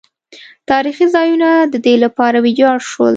تاریخي ځایونه د دې لپاره ویجاړ شول.